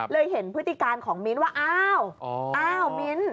เห็นพฤติการของมิ้นท์ว่าอ้าวอ้าวมิ้น